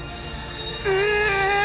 「え！？」